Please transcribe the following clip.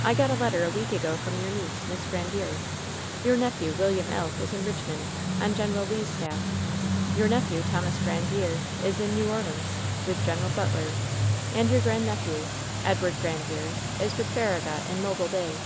"I got a letter a week ago from your niece, Miss Gran diere. Your nephew, William Elk, is in Kichmond, on Gen. Lee's staff; your nephew, Thomas Grandiere, is in New Orleans, with Gen. Butler, and your grandnephew, Edward Grandiere, is with Farragut, in Mobile Bay.